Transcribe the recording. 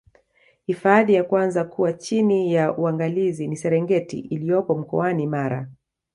hifadhi ya kwanza kuwa chini ya uangalizi ni serengeti iliyopo mkoani mara